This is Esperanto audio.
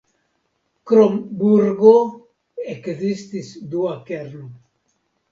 Krom burgo ekzistis dua kerno.